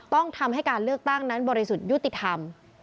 ต้องทำให้การเลือกตั้งนั้นบริสุทธิ์ยุติธรรม